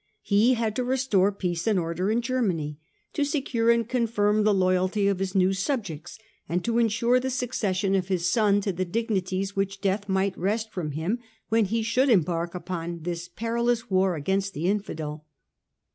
He had to restore peace and order in Germany, to secure and confirm the loyalty of his new subjects, and to ensure the succession of his son to the dignities which death might wrest from him self when he should embark upon this perilous war against the Infidel.